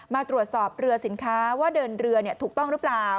มาตรวจสอบเรือสินค้าว่าเดินเรือถูกต้องหรือเปล่า